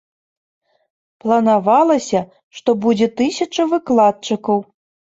Планавалася, што будзе тысяча выкладчыкаў.